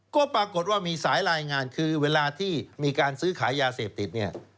ก็ปรากฏว่ามีสายรายงานคือเวลาที่มีการซื้อขายยาเสพติดเนี่ย